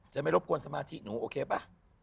ไม่รบกวนสมาธิหนูโอเคป่ะ